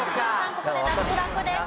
ここで脱落です。